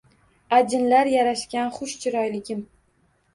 Ajinlar yarashgan xush chiroyligim